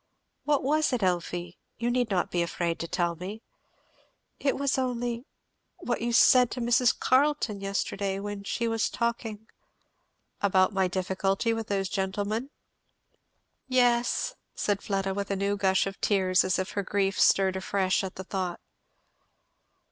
"What was it, Elfie? You need not be afraid to tell me." "It was only what you said to Mrs. Carleton yesterday, when she was talking " "About my difficulty with those gentlemen?" "Yes," said Fleda, with a new gush of tears, as if her grief stirred afresh at the thought.